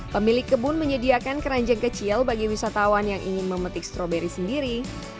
pemilik kebun menyediakan keranjang kecil bagi wisatawan yang ingin memetik stroberi sendiri